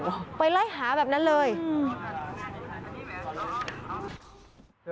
ก็แค่สระเบลอแบบหัวหน้า